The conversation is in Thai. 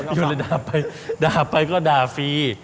อยู่เลยด่าไปด่าไปก็ด่าฟรี